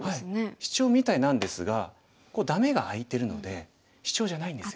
シチョウみたいなんですがダメが空いてるのでシチョウじゃないんですよ。